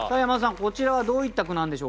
こちらはどういった句なんでしょうか？